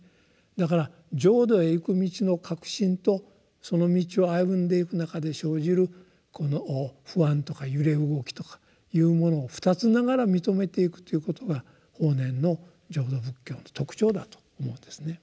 だから浄土へ行く道の確信とその道を歩んでいく中で生じる不安とか揺れ動きとかというものをふたつながら認めていくということが法然の浄土仏教の特徴だと思うんですね。